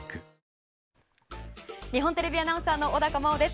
日本テレビアナウンサーの小高茉緒です。